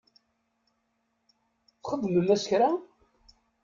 Txedmem-as kra?